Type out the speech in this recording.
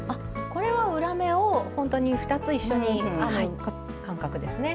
これは裏目をほんとに２つ一緒に編む感覚ですね。